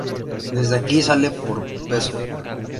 Desde aquí sale por pso.